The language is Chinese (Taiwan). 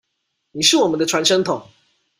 你是我們的傳聲筒